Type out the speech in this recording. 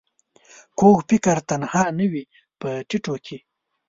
کوږ فکر تنها نه وي په ټيټو کې